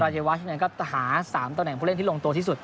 เทวัชนั้นก็จะหา๓ตำแหน่งผู้เล่นที่ลงตัวที่สุด